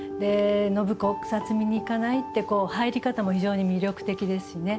「信子、草摘みに行かない？」ってこう入り方も非常に魅力的ですしね。